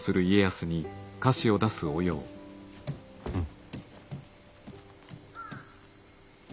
うん。